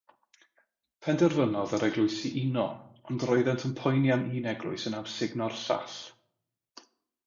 Penderfynodd yr eglwysi uno ond roeddent yn poeni am un eglwys yn amsugno'r llall.